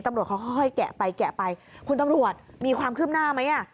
ตำรวจเขาค่อยแกะไปแกะไปคุณตำรวจมีความคืบหน้าไหมอ่ะ